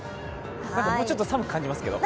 でももうちょっと寒く感じますけど。